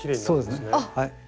そうですね。